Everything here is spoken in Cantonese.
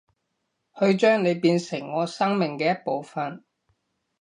去將你變成我生命嘅一部份